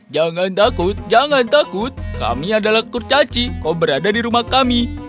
jangan takut jangan takut kami adalah kurcaci kau berada di rumah kami